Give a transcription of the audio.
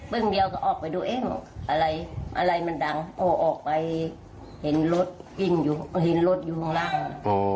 ปึ้งเบียวก็ออกไปดูเองอะไรมันดังออกไปเห็นรถยนต์อยู่ข้างล่าง